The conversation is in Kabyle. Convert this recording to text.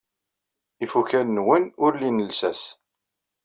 Ifukal-nwen ur lin llsas.